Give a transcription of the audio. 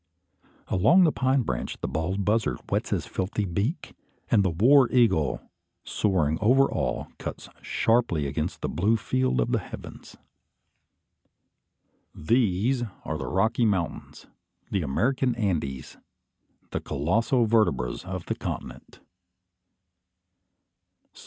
Along the pine branch the bald buzzard whets his filthy beak; and the war eagle, soaring over all, cuts sharply against the blue field of the heavens. These are the Rocky Mountains, the American Andes, the colossal vertebras of the continent!